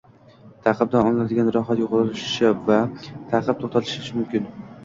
ta’qibdan olinadigan rohat yo‘qolishi va ta’qib to‘xtatilishi mumkin.